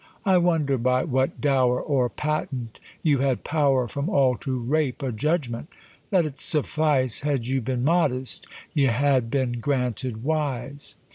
I wonder by what dower, Or patent, you had power From all to rape a judgment. Let't suffice, Had you been modest, y'ad been granted wise.